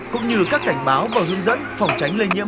cũng như các cảnh báo và hướng dẫn phòng tránh lây nhiễm